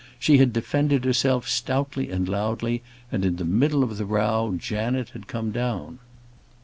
She had defended herself stoutly and loudly, and in the middle of the row Janet had come down.